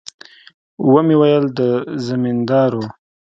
ومې ويل د زمينداورو.